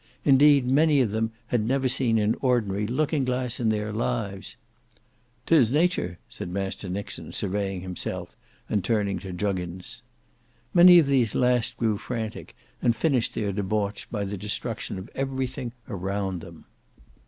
Indeed many of them had never seen an ordinary looking glass in their lives. "'Tis Natur!" said Master Nixon surveying himself, and turning to Juggins. Many of these last grew frantic, and finished their debauch by the destruction of everything around them.